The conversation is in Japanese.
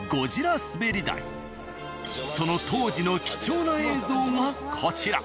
その当時の貴重な映像がこちら。